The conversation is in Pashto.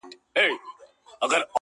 • حقیقت واوره تر تا دي سم قربانه,